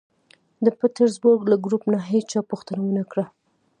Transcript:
د پېټرزبورګ له ګروپ نه هېچا پوښتنه و نه کړه